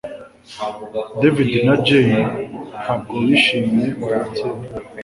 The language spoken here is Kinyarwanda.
David na Jane ntabwo bishimye kuva kera